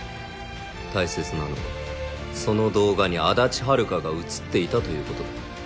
大切なのはその動画に足立遥が映っていたということだ。